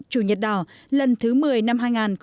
chủ nhật đỏ lần thứ một mươi năm hai nghìn một mươi tám